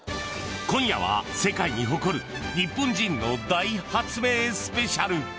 今夜は世界に誇る日本人の大発明スペシャル。